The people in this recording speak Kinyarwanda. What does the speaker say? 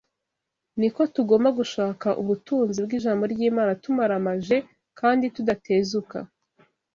niko tugomba gushaka ubutunzi bw’Ijambo ry’Imana tumaramaje kandi tudatezuka.